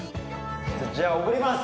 じゃあ送ります。